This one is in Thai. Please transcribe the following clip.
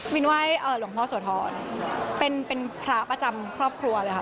ไหว้หลวงพ่อโสธรเป็นพระประจำครอบครัวเลยค่ะ